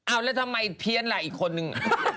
เอาแล้วทำไมเพี้ยนล่ะอีกคนนึง